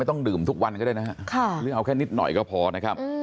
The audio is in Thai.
ต้องดื่มทุกวันก็ได้นะฮะหรือเอาแค่นิดหน่อยก็พอนะครับ